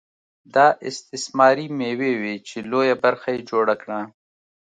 دا استثماري مېوې وې چې لویه برخه یې جوړه کړه